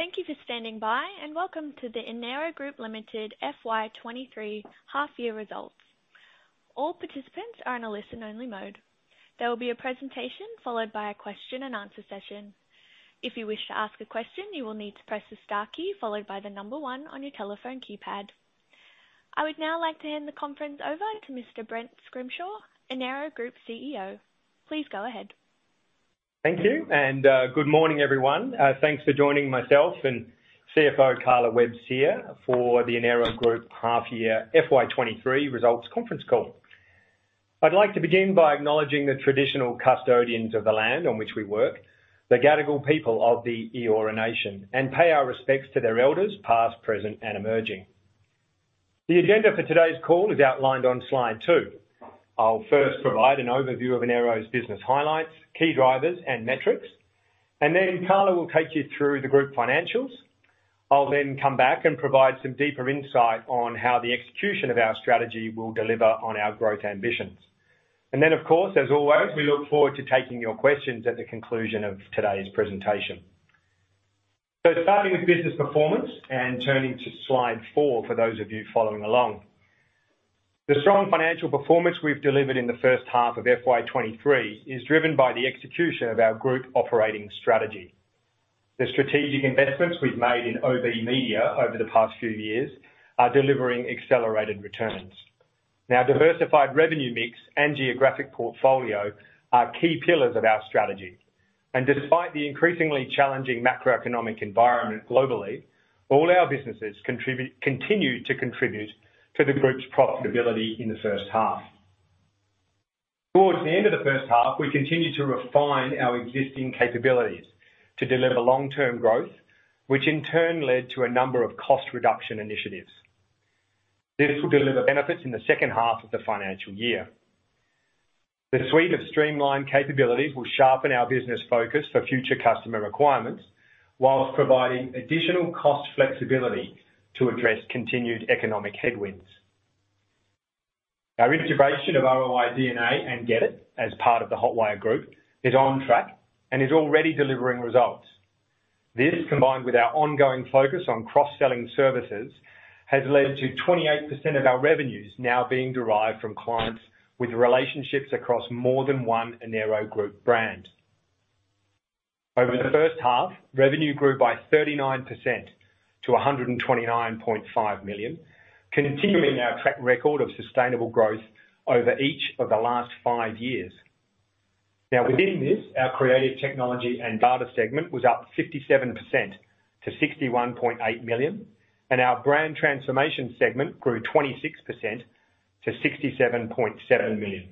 Thank you for standing by, and welcome to the Enero Group Limited FY23 half year results. All participants are in a listen only mode. There will be a presentation followed by a question and answer session. If you wish to ask a question, you will need to press the star key followed by the number one on your telephone keypad. I would now like to hand the conference over to Mr. Brent Scrimshaw, Enero Group CEO. Please go ahead. Thank you, and good morning, everyone. Thanks for joining myself and CFO Carla Webb here for the Enero Group half year FY23 results conference call. I'd like to begin by acknowledging the traditional custodians of the land on which we work, the Gadigal people of the Eora Nation, and pay our respects to their elders past, present, and emerging. The agenda for today's call is outlined on slide two. I'll first provide an overview of Enero's business highlights, key drivers and metrics, and then Carla will take you through the group financials. I'll then come back and provide some deeper insight on how the execution of our strategy will deliver on our growth ambitions. Of course, as always, we look forward to taking your questions at the conclusion of today's presentation. Starting with business performance and turning to slide four for those of you following along. The strong financial performance we've delivered in the first half of FY23 is driven by the execution of our group operating strategy. The strategic investments we've made in OBMedia over the past few years are delivering accelerated returns. Diversified revenue mix and geographic portfolio are key pillars of our strategy, and despite the increasingly challenging macroeconomic environment globally, all our businesses continue to contribute to the group's profitability in the first half. Towards the end of the first half, we continued to refine our existing capabilities to deliver long-term growth, which in turn led to a number of cost reduction initiatives. This will deliver benefits in the second half of the financial year. The suite of streamlined capabilities will sharpen our business focus for future customer requirements, whilst providing additional cost flexibility to address continued economic headwinds. Our integration of ROI DNA and GetIT as part of the Hotwire Group is on track and is already delivering results. This, combined with our ongoing focus on cross-selling services, has led to 28% of our revenues now being derived from clients with relationships across more than one Enero Group brand. Over the first half, revenue grew by 39% to 129.5 million, continuing our track record of sustainable growth over each of the last five years. Within this, our Creative Technology and Data segment was up 57% to 61.8 million, and our Brand Transformation segment grew 26% to 67.7 million.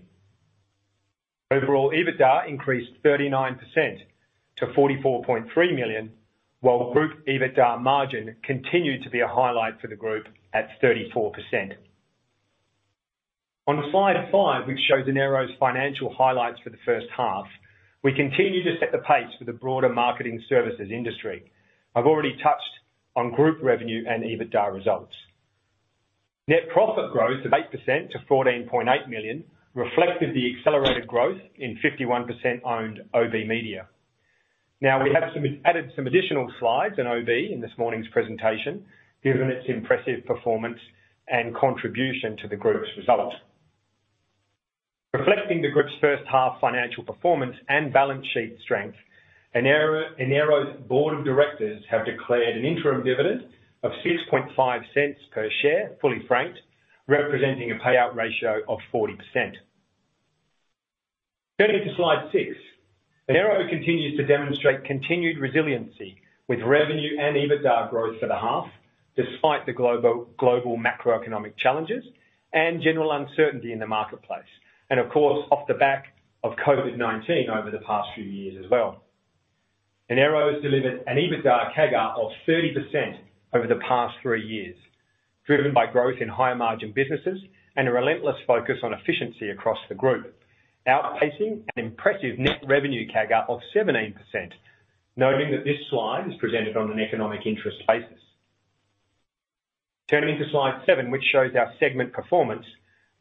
Overall, EBITDA increased 39% to 44.3 million, while group EBITDA margin continued to be a highlight for the group at 34%. On slide five, which shows Enero's financial highlights for the first half, we continue to set the pace for the broader marketing services industry. I've already touched on group revenue and EBITDA results. Net profit growth of 8% to 14.8 million reflected the accelerated growth in 51% owned OBMedia. We have added some additional slides in OB in this morning's presentation, given its impressive performance and contribution to the group's results. Reflecting the group's first half financial performance and balance sheet strength, Enero's board of directors have declared an interim dividend of 0.065 per share, fully franked, representing a payout ratio of 40%. Turning to slide six. Enero continues to demonstrate continued resiliency with revenue and EBITDA growth for the half, despite the global macroeconomic challenges and general uncertainty in the marketplace, of course, off the back of COVID-19 over the past three years as well. Enero has delivered an EBITDA CAGR of 30% over the past three years, driven by growth in higher margin businesses and a relentless focus on efficiency across the group, outpacing an impressive net revenue CAGR of 17%, noting that this slide is presented on an economic interest basis. Turning to slide seven, which shows our segment performance.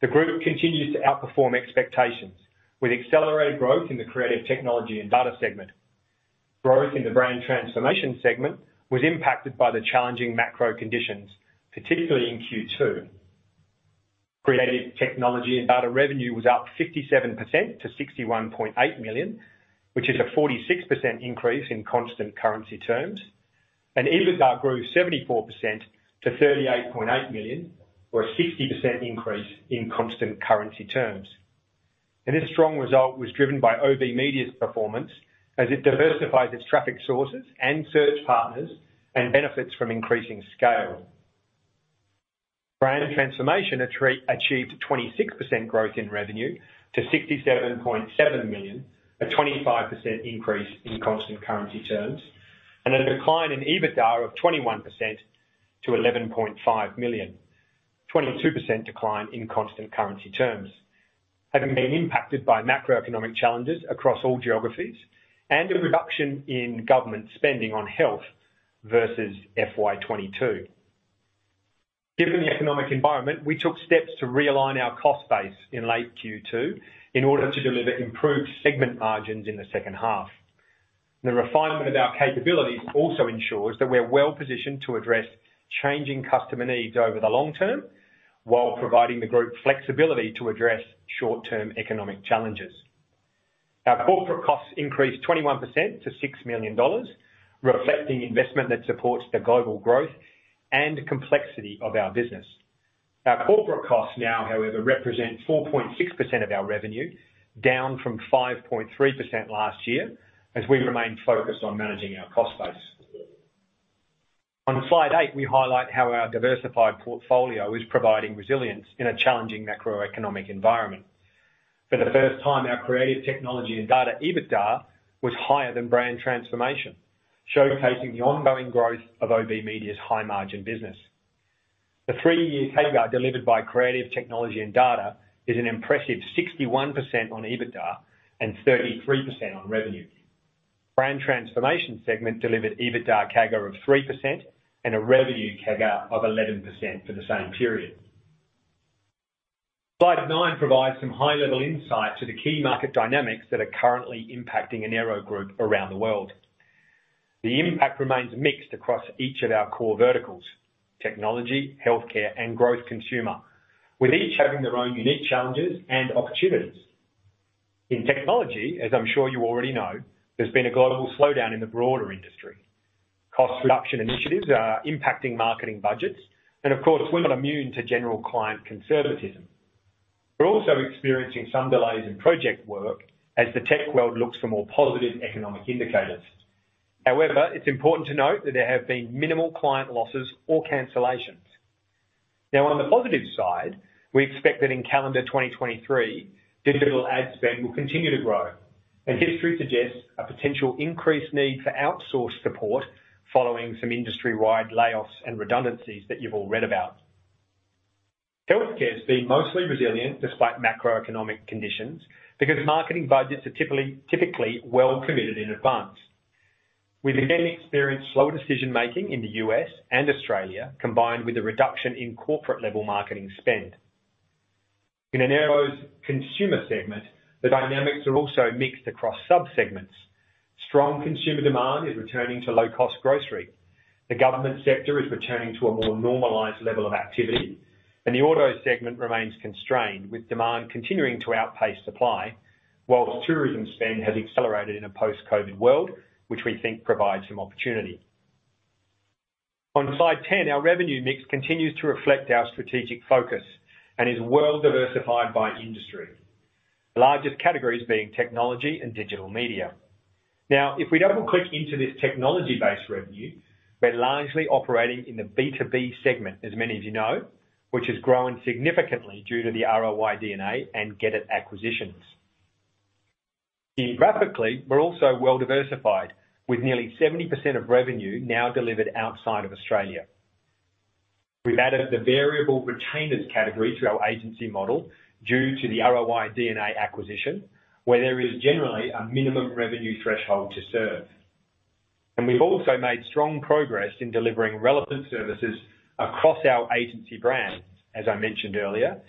The group continues to outperform expectations with accelerated growth in the Creative Technology and Data segment. Growth in the Brand Transformation segment was impacted by the challenging macro conditions, particularly in Q two. Creative Technology and Data revenue was up 57% to 61.8 million, which is a 46% increase in constant currency terms. EBITDA grew 74% to 38.8 million, or a 60% increase in constant currency terms. This strong result was driven by OBMedia's performance as it diversified its traffic sources and search partners and benefits from increasing scale. Brand Transformation achieved 26% growth in revenue to 67.7 million, a 25% increase in constant currency terms, and a decline in EBITDA of 21% to 11.5 million, 22% decline in constant currency terms, having been impacted by macroeconomic challenges across all geographies and a reduction in government spending on health versus FY22. Given the economic environment, we took steps to realign our cost base in late Q2 in order to deliver improved segment margins in the second half. The refinement of our capabilities also ensures that we're well-positioned to address changing customer needs over the long term, while providing the Group flexibility to address short term economic challenges. Our corporate costs increased 21% to 6 million dollars, reflecting investment that supports the global growth and complexity of our business. Our corporate costs now, however, represent 4.6% of our revenue, down from 5.3% last year as we remain focused on managing our cost base. On slide eight, we highlight how our diversified portfolio is providing resilience in a challenging macroeconomic environment. For the first time, our Creative Technology and Data EBITDA was higher than Brand Transformation, showcasing the ongoing growth of OBMedia's high margin business. The three-year CAGR delivered by Creative Technology and Data is an impressive 61% on EBITDA and 33% on revenue. Brand Transformation segment delivered EBITDA CAGR of 3% and a revenue CAGR of 11% for the same period. Slide nine provides some high level insight to the key market dynamics that are currently impacting Enero Group around the world. The impact remains mixed across each of our core verticals, technology, healthcare, and growth consumer, with each having their own unique challenges and opportunities. In technology, as I'm sure you already know, there's been a global slowdown in the broader industry. Cost reduction initiatives are impacting marketing budgets. Of course, we're not immune to general client conservatism. We're also experiencing some delays in project work as the tech world looks for more positive economic indicators. However, it's important to note that there have been minimal client losses or cancellations. On the positive side, we expect that in calendar 2023 digital ad spend will continue to grow. History suggests a potential increased need for outsourced support following some industry wide layoffs and redundancies that you've all read about. Healthcare has been mostly resilient despite macroeconomic conditions because marketing budgets are typically well committed in advance. We've again experienced slower decision-making in the U.S. and Australia, combined with a reduction in corporate-level marketing spend. In Enero's consumer segment, the dynamics are also mixed across sub-segments. Strong consumer demand is returning to low-cost grocery. The government sector is returning to a more normalized level of activity, and the auto segment remains constrained, with demand continuing to outpace supply, whilst tourism spend has accelerated in a post-COVID-19 world, which we think provides some opportunity. On slide ten, our revenue mix continues to reflect our strategic focus and is well diversified by industry, the largest categories being technology and digital media. If we double-click into this technology-based revenue, we're largely operating in the B2B segment, as many of you know, which has grown significantly due to the ROI DNA and GetIT acquisitions. Geographically, we're also well diversified, with nearly 70% of revenue now delivered outside of Australia. We've added the variable retainers category to our agency model due to the ROI DNA acquisition, where there is generally a minimum revenue threshold to serve. We've also made strong progress in delivering relevant services across our agency brands, as I mentioned earlier,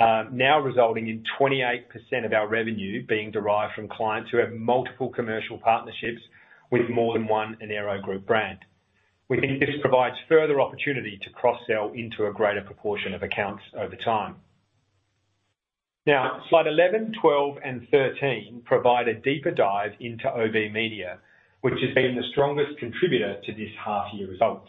now resulting in 28% of our revenue being derived from clients who have multiple commercial partnerships with more than one Enero Group brand. We think this provides further opportunity to cross-sell into a greater proportion of accounts over time. Slide 11, 12, and 13 provide a deeper dive into OBMedia, which has been the strongest contributor to this half year results.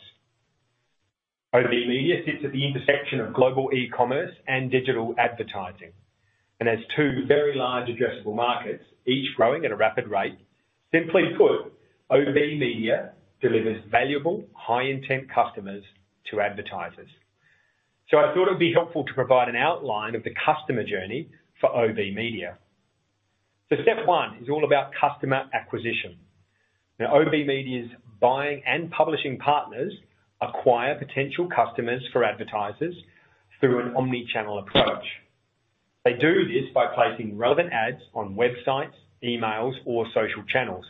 OBMedia sits at the intersection of global e-commerce and digital advertising and has two very large addressable markets, each growing at a rapid rate. Simply put, OB Media delivers valuable high intent customers to advertisers. I thought it'd be helpful to provide an outline of the customer journey for OB Media. Step one is all about customer acquisition. Now, OB Media's buying and publishing partners acquire potential customers for advertisers through an omni-channel approach. They do this by placing relevant ads on websites, emails, or social channels.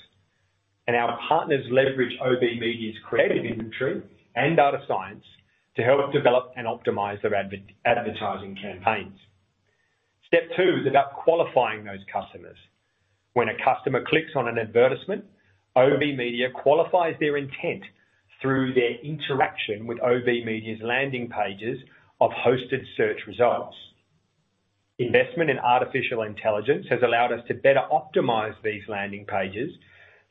Our partners leverage OB Media's creative inventory and data science to help develop and optimize their advertising campaigns. Step two is about qualifying those customers. When a customer clicks on an advertisement, OB Media qualifies their intent through their interaction with OB Media's landing pages of hosted search results. Investment in artificial intelligence has allowed us to better optimize these landing pages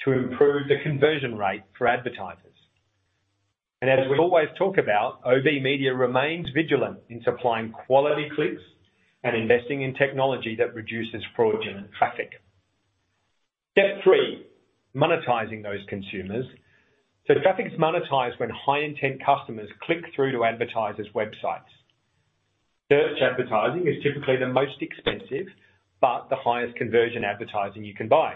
to improve the conversion rate for advertisers. As we always talk about, OB Media remains vigilant in supplying quality clicks and investing in technology that reduces fraudulent traffic. Step three, monetizing those consumers. Traffic is monetized when high intent customers click through to advertisers' websites. Search advertising is typically the most expensive, but the highest conversion advertising you can buy.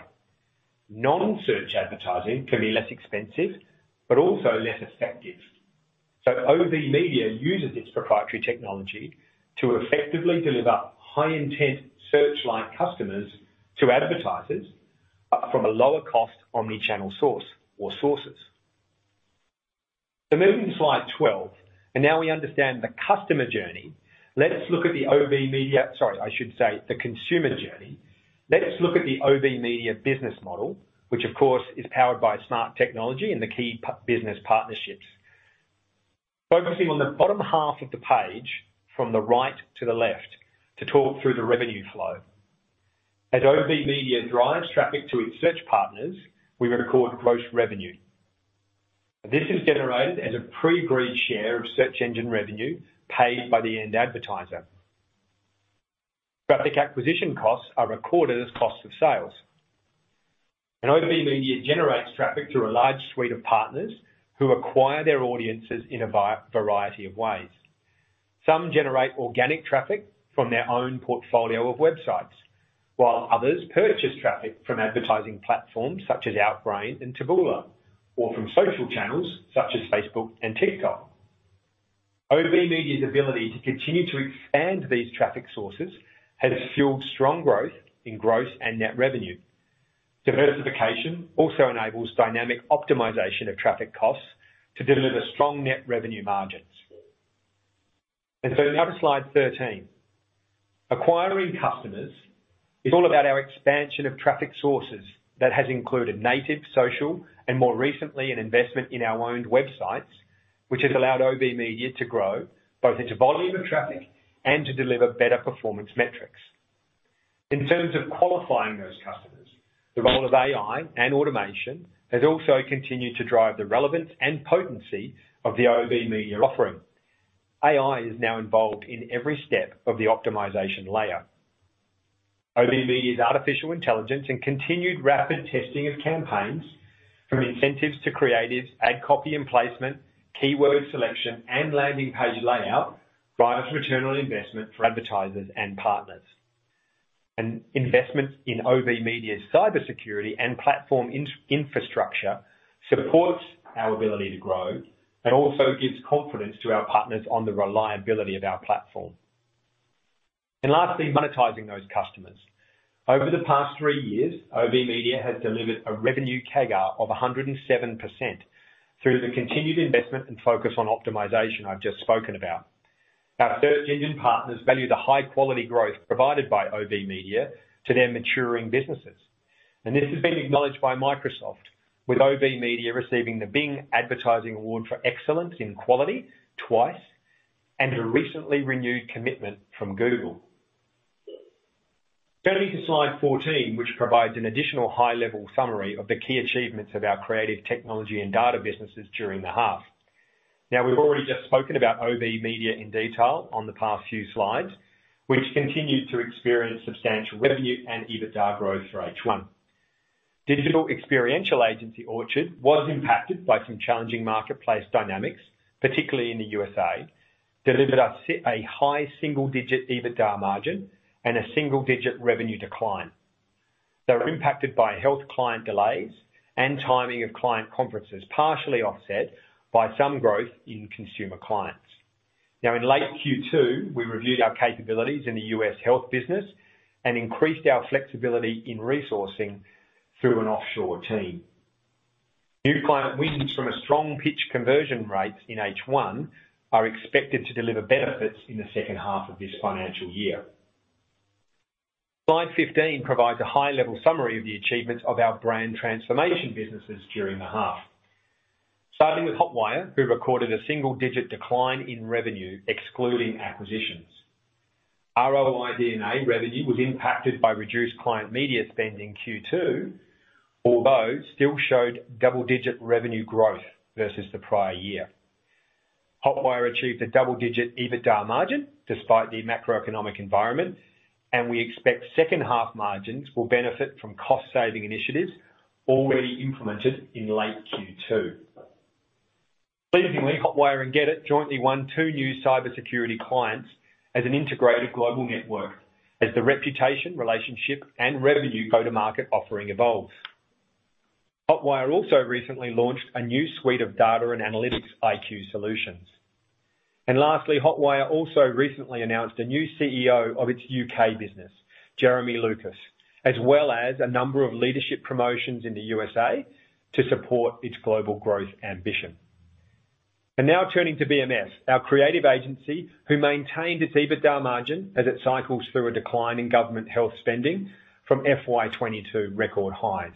Non-search advertising can be less expensive but also less effective. OB Media uses its proprietary technology to effectively deliver high intent search like customers to advertisers. But from a lower cost omni-channel source or sources. Moving to slide 12, and now we understand the customer journey, let us look at the consumer journey. Let us look at the OB Media business model, which of course is powered by smart technology and the key business partnerships. Focusing on the bottom half of the page from the right to the left to talk through the revenue flow. As OBMedia drives traffic to its search partners, we record gross revenue. This is generated as a pre-agreed share of search engine revenue paid by the end advertiser. Traffic acquisition costs are recorded as cost of sales. OBMedia generates traffic through a large suite of partners who acquire their audiences in a variety of ways. Some generate organic traffic from their own portfolio of websites, while others purchase traffic from advertising platforms such as Outbrain and Taboola, or from social channels such as Facebook and TikTok. OBMedia's ability to continue to expand these traffic sources has fueled strong growth and net revenue. Diversification also enables dynamic optimization of traffic costs to deliver strong net revenue margins. Now to slide 13. Acquiring customers is all about our expansion of traffic sources that has included native, social, and more recently, an investment in our own websites, which has allowed OB Media to grow both its volume of traffic and to deliver better performance metrics. In terms of qualifying those customers, the role of AI and automation has also continued to drive the relevance and potency of the OB Media offering. AI is now involved in every step of the optimization layer. OB Media's artificial intelligence and continued rapid testing of campaigns from incentives to creatives, ad copy and placement, keyword selection, and landing page layout, drives return on investment for advertisers and partners. Investments in OB Media's cybersecurity and platform infrastructure supports our ability to grow, and also gives confidence to our partners on the reliability of our platform. Lastly, monetizing those customers. Over the past three years, OBMedia has delivered a revenue CAGR of 107% through the continued investment and focus on optimization I've just spoken about. Our search engine partners value the high quality growth provided by OBMedia to their maturing businesses. This has been acknowledged by Microsoft, with OBMedia receiving the Bing Advertising Award for Excellence in Quality twice, and a recently renewed commitment from Google. Going to slide 14, which provides an additional high level summary of the key achievements of our Creative Technology and Data businesses during the half. We've already just spoken about OBMedia in detail on the past few slides, which continued to experience substantial revenue and EBITDA growth for H1. Digital experiential agency Orchard was impacted by some challenging marketplace dynamics, particularly in the U.S.A., delivered us a high single-digit EBITDA margin and a single digit revenue decline. They were impacted by health client delays and timing of client conferences, partially offset by some growth in consumer clients. In late Q2, we reviewed our capabilities in the U.S. health business and increased our flexibility in resourcing through an offshore team. New client wins from a strong pitch conversion rates in H1 are expected to deliver benefits in the 2nd half of this financial year. Slide 15 provides a high-level summary of the achievements of our Brand Transformation businesses during the half. Starting with Hotwire, who recorded a single-digit decline in revenue excluding acquisitions. ROI DNA revenue was impacted by reduced client media spend in Q two, although still showed double-digit revenue growth versus the prior year. Hotwire achieved a double-digit EBITDA margin despite the macroeconomic environment, and we expect second half margins will benefit from cost saving initiatives already implemented in late Q two. Pleasingly, Hotwire and GetIT jointly won two new cybersecurity clients as an integrated global network as the reputation, relationship, and revenue go-to-market offering evolves. Hotwire also recently launched a new suite of data and analytics IQ Solutions. Lastly, Hotwire also recently announced a new CEO of its UK business, Jeremy Lucas, as well as a number of leadership promotions in the USA to support its global growth ambition. Now turning to BMF, our creative agency, who maintained its EBITDA margin as it cycles through a decline in government health spending from FY22 record highs.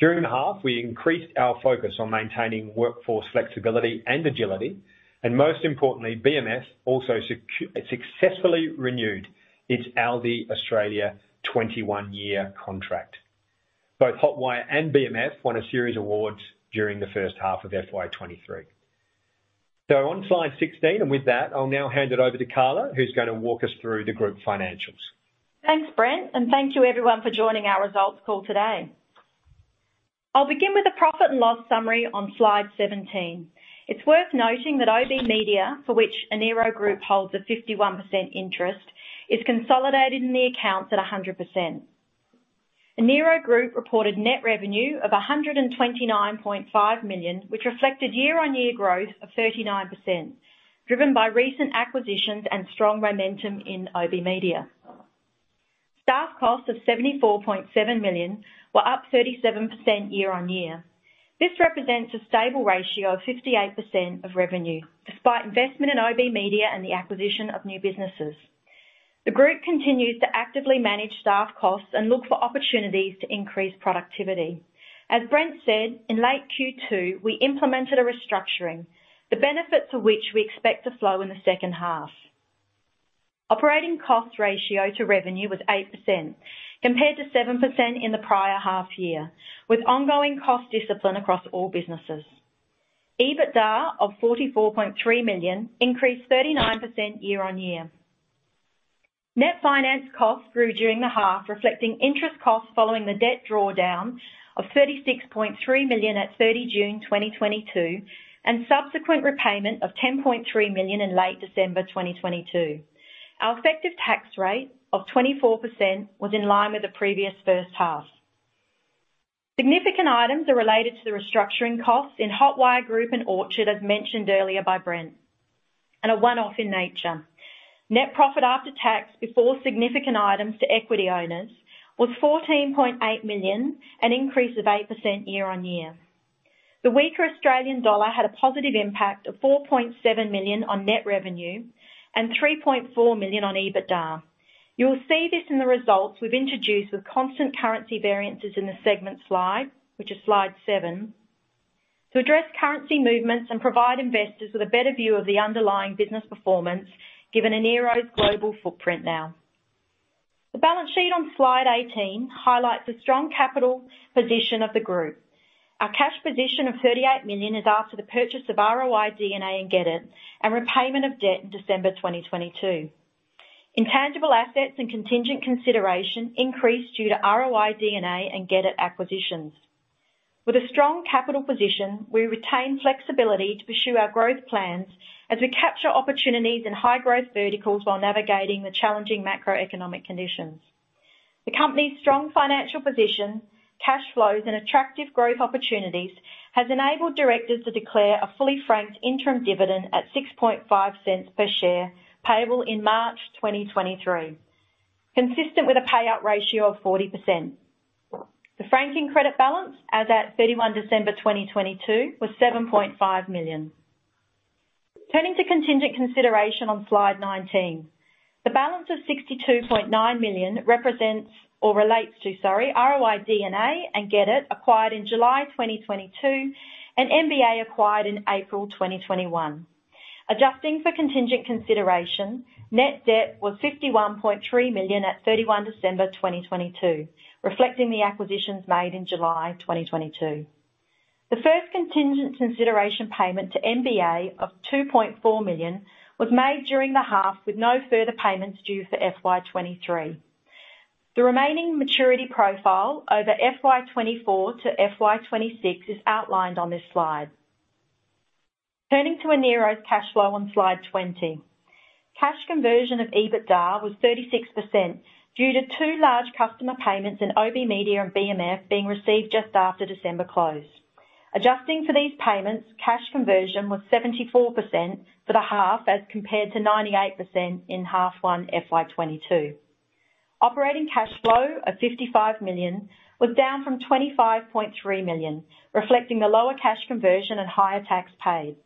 During the half, we increased our focus on maintaining workforce flexibility and agility, and most importantly, BMF also successfully renewed its ALDI Australia 21 year contract. Both Hotwire and BMF won a series of awards during the first half of FY23. On slide 16, and with that, I'll now hand it over to Carla, who's gonna walk us through the group financials. Thanks, Brent, and thank you everyone for joining our results call today. I'll begin with the profit and loss summary on slide 17. It's worth noting that OBMedia, for which Enero Group holds a 51% interest, is consolidated in the accounts at 100%. Enero Group reported net revenue of 129.5 million, which reflected year-on-year growth of 39%. Driven by recent acquisitions and strong momentum in OBMedia. Staff costs of 74.7 million were up 37% year-on-year. This represents a stable ratio of 58% of revenue, despite investment in OBMedia and the acquisition of new businesses. The group continues to actively manage staff costs and look for opportunities to increase productivity. As Brent said, in late Q2, we implemented a restructuring, the benefits of which we expect to flow in the second half. Operating cost ratio to revenue was 8% compared to 7% in the prior half year, with ongoing cost discipline across all businesses. EBITDA of 44.3 million increased 39% year-on-year. Net finance costs grew during the half, reflecting interest costs following the debt drawdown of 36.3 million at 30 June 2022, and subsequent repayment of 10.3 million in late December 2022. Our effective tax rate of 24% was in line with the previous first half. Significant items are related to the restructuring costs in Hotwire Group and Orchard, as mentioned earlier by Brent, and are one-off in nature. Net profit after tax before significant items to equity owners was 14.8 million, an increase of 8% year-on-year. The weaker Australian dollar had a positive impact of 4.7 million on net revenue and 3.4 million on EBITDA. You will see this in the results we've introduced with constant currency variances in the segment slide, which is slide seven. To address currency movements and provide investors with a better view of the underlying business performance, given Enero's global footprint now. The balance sheet on slide 18 highlights the strong capital position of the group. Our cash position of 38 million is after the purchase of ROI DNA and GetIT, and repayment of debt in December 2022. Intangible assets and contingent consideration increased due to ROI DNA and GetIT acquisitions. With a strong capital position, we retain flexibility to pursue our growth plans as we capture opportunities in high-growth verticals while navigating the challenging macroeconomic conditions. The company's strong financial position, cash flows, and attractive growth opportunities has enabled directors to declare a fully franked interim dividend at 0.065 per share, payable in March 2023, consistent with a payout ratio of 40%. The franking credit balance as at 31 December 2022 was 7.5 million. Turning to contingent consideration on slide 19. The balance of 62.9 million represents or relates to, sorry, ROI DNA and GetIT, acquired in July 2022, and MBA acquired in April 2021. Adjusting for contingent consideration, net debt was 51.3 million at 31 December 2022, reflecting the acquisitions made in July 2022. The first contingent consideration payment to MBA of 2.4 million was made during the half, with no further payments due for FY23. The remaining maturity profile over FY24 to FY26 is outlined on this slide. Turning to Enero's cash flow on slide 20. Cash conversion of EBITDA was 36% due to two large customer payments in OBMedia and BMF being received just after December close. Adjusting for these payments, cash conversion was 74% for the half as compared to 98% in half one FY22. Operating cash flow of 55 million was down from 25.3 million, reflecting the lower cash conversion and higher tax paid.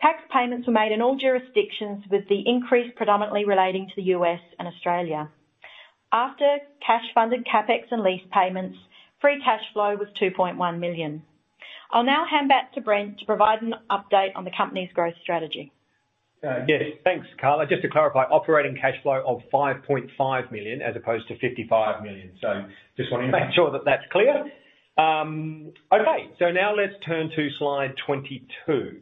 Tax payments were made in all jurisdictions, with the increase predominantly relating to the U.S. and Australia. After cash-funded CapEx and lease payments, free cash flow was 2.1 million. I'll now hand back to Brent to provide an update on the company's growth strategy. Yes. Thanks, Carla. Just to clarify, operating cash flow of 5.5 million as opposed to 55 million. Just want to make sure that that's clear. Okay. Now let's turn to slide 22.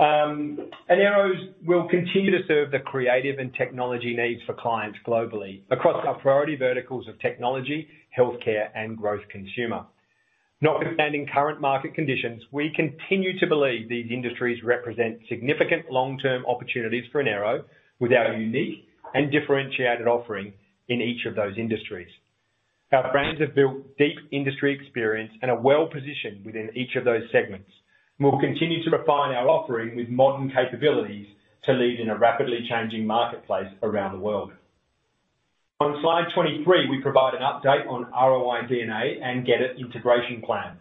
Enero will continue to serve the creative and technology needs for clients globally across our priority verticals of technology, healthcare, and growth consumer. Notwithstanding current market conditions, we continue to believe these industries represent significant long-term opportunities for Enero with our unique and differentiated offering in each of those industries. Our brands have built deep industry experience and are well-positioned within each of those segments. Will continue to refine our offering with modern capabilities to lead in a rapidly changing marketplace around the world. On slide 23, we provide an update on ROI DNA and GetIT integration plans.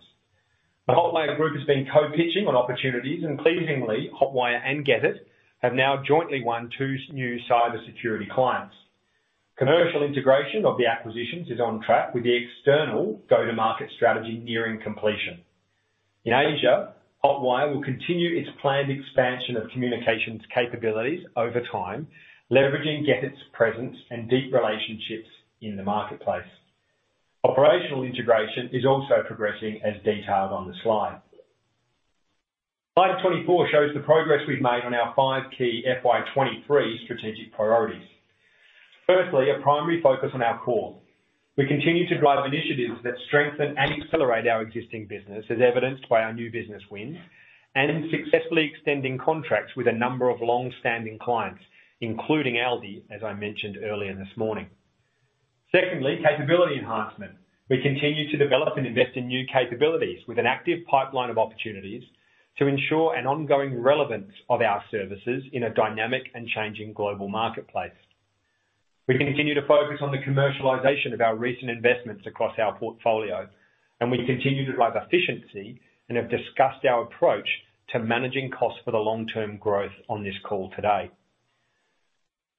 The Hotwire Group has been co-pitching on opportunities, and pleasingly, Hotwire and GetIT have now jointly won two new cybersecurity clients. Commercial integration of the acquisitions is on track with the external go to market strategy nearing completion. In Asia, Hotwire will continue its planned expansion of communications capabilities over time, leveraging GetIT's presence and deep relationships in the marketplace. Operational integration is also progressing as detailed on the slide. Slide 24 shows the progress we've made on our five key FY23 strategic priorities. Firstly, a primary focus on our core. We continue to drive initiatives that strengthen and accelerate our existing business, as evidenced by our new business wins, and successfully extending contracts with a number of long standing clients, including ALDI, as I mentioned earlier this morning. Secondly, capability enhancement. We continue to develop and invest in new capabilities with an active pipeline of opportunities to ensure an ongoing relevance of our services in a dynamic and changing global marketplace. We continue to focus on the commercialization of our recent investments across our portfolio. We continue to drive efficiency and have discussed our approach to managing costs for the long-term growth on this call today.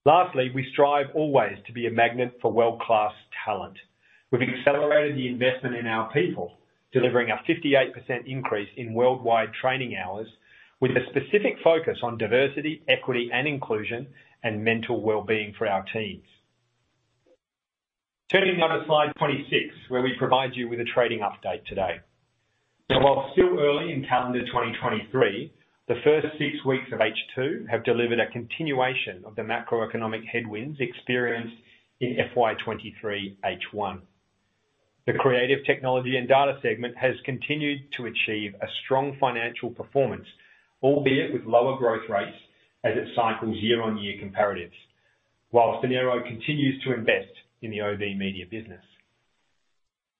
Lastly, we strive always to be a magnet for world-class talent. We've accelerated the investment in our people, delivering a 58% increase in worldwide training hours, with a specific focus on diversity, equity, and inclusion, and mental well being for our teams. Turning now to slide 26, where we provide you with a trading update today. While still early in calendar 2023, the first six weeks of H2 have delivered a continuation of the macroeconomic headwinds experienced in FY23 H1. The Creative Technology and Data segment has continued to achieve a strong financial performance, albeit with lower growth rates as it cycles year-on-year comparatives. Whilst Enero continues to invest in the OBMedia business.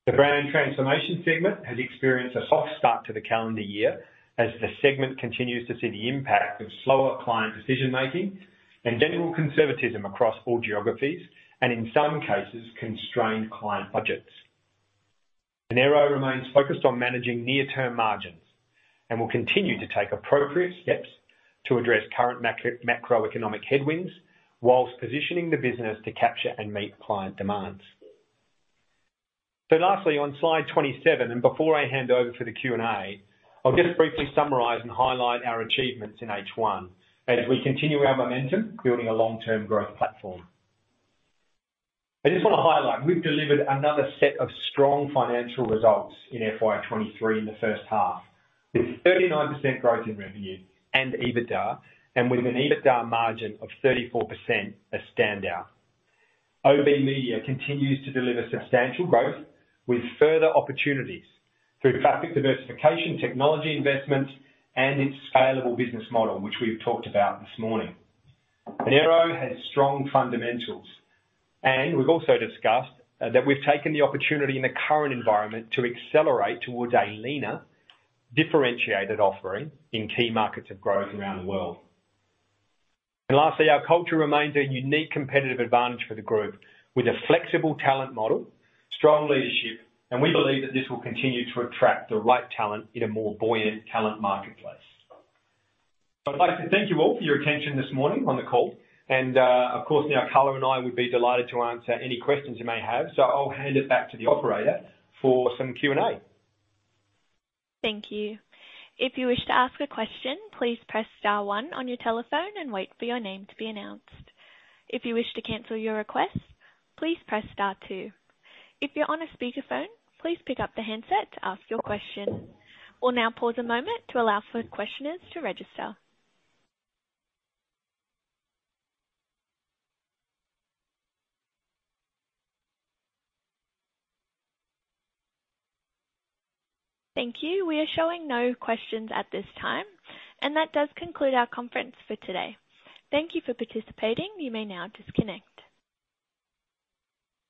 The Brand Transformation segment has experienced a soft start to the calendar year as the segment continues to see the impact of slower client decision making and general conservatism across all geographies, and in some cases constrained client budgets. Enero remains focused on managing near-term margins and will continue to take appropriate steps to address current macroeconomic headwinds whilst positioning the business to capture and meet client demands. Lastly, on slide 27, before I hand over to the Q&A, I'll just briefly summarize and highlight our achievements in H1 as we continue our momentum building a long-term growth platform. I just want to highlight, we've delivered another set of strong financial results in FY23 in the first half, with 39% growth in revenue and EBITDA and with an EBITDA margin of 34%, a standout. OBMedia continues to deliver substantial growth with further opportunities through traffic diversification, technology investment, and its scalable business model, which we've talked about this morning. Enero has strong fundamentals. We've also discussed that we've taken the opportunity in the current environment to accelerate towards a leaner, differentiated offering in key markets of growth around the world. lastly, our culture remains a unique competitive advantage for the group with a flexible talent model, strong leadership, and we believe that this will continue to attract the right talent in a more buoyant talent marketplace. I'd like to thank you all for your attention this morning on the call. of course, now, Carla and I would be delighted to answer any questions you may have. I'll hand it back to the operator for some Q&A. Thank you. If you wish to ask a question, please press star one on your telephone and wait for your name to be announced. If you wish to cancel your request, please press star two. If you're on a speakerphone, please pick up the handset to ask your question. We'll now pause a moment to allow for questioners to register. Thank you. We are showing no questions at this time, and that does conclude our conference for today. Thank you for participating. You may now disconnect.